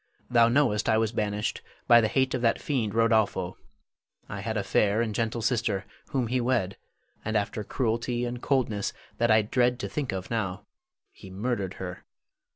Thou knowest I was banished by the hate of that fiend Rodolpho. I had a fair and gentle sister, whom he wed, and after cruelty and coldness that I dread to think of now, he murdered her.